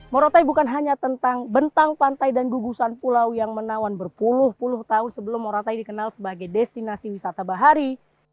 morotai bukan hanya tentang bentang pantai dan gugusan pulau yang menawan berpuluh puluh tahun sebelum morotai dikenal sebagai destinasi wisata bahari